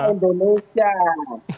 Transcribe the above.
itu kan kereta indonesia